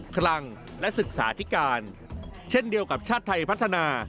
คลังและศึกษาธิการเช่นเดียวกับชาติไทยพัฒนา